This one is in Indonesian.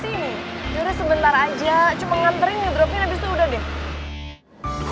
cuma nganterin ngedrofin abis itu udah deh